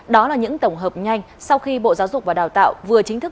đó là những tổng hợp nhanh sau khi bộ giáo dục và đào tạo vừa chính thức